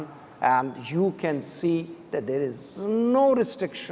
dan anda dapat melihat bahwa tidak ada restriksi